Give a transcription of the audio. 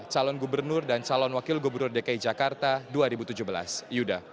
calon gubernur dan calon wakil gubernur dki jakarta dua ribu tujuh belas yuda